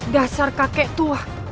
dasar kakek tua